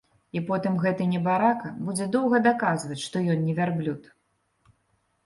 І потым гэты небарака будзе доўга даказваць, што ён не вярблюд.